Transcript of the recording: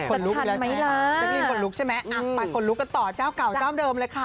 จะทันไหมล่ะแจ๊กรีนคนลุกใช่ไหมอ่ะไปขนลุกกันต่อเจ้าเก่าเจ้าเดิมเลยค่ะ